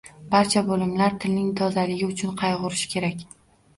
Barcha bo’limlar tilning tozaligi uchun qayg’urishi kerak.